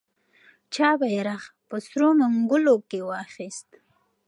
څوک بیرغ په سرو منګولو واخیست؟